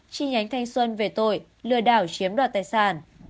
chi nhánh thanh xuân về tội lừa đảo chiếm đoạt tài sản